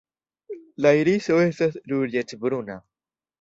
La iriso estas ruĝecbruna.